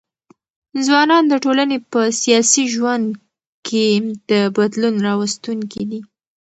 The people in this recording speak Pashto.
ځوانان د ټولني په سیاسي ژوند ګي د بدلون راوستونکي دي.